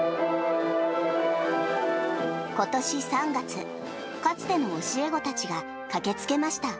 ことし３月、かつての教え子たちが駆けつけました。